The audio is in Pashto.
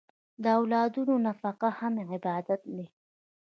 د اولادونو نفقه هم عبادت دی.